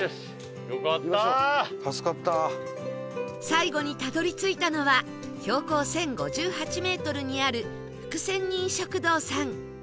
最後にたどり着いたのは標高１０５８メートルにある福仙人食堂さん